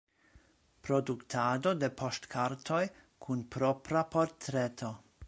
Produktado de poŝtkartoj kun propra portreto.